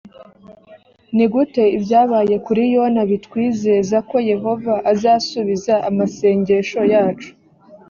ni gute ibyabaye kuri yona bitwizeza ko yehova azasubiza amasengesho yacu?